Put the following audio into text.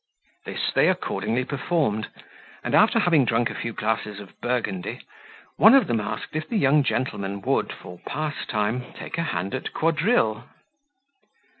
This they accordingly performed; and, after having drunk a few glasses of Burgundy, one of them asked, if the young gentleman would, for pastime, take a hand at quadrille.